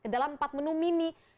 dalam empat menu mini